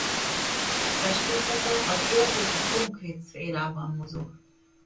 Festészete az érzéki-konkrét szférában mozog.